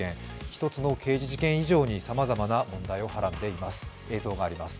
一つの刑事事件以上にさまざまな問題をはらんでいます。